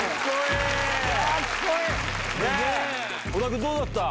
小田君、どうだった？